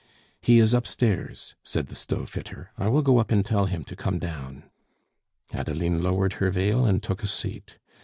"He is upstairs," said the stove fitter. "I will go up and tell him to come down." Adeline lowered her veil and took a seat.